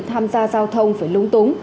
tham gia giao thông phải lúng túng